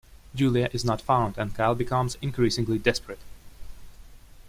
Julia is not found and Kyle becomes increasingly desperate.